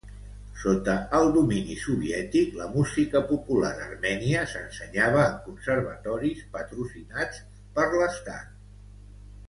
Sota el domini soviètic, la música popular armènia s'ensenyava en conservatoris patrocinats per l'estat.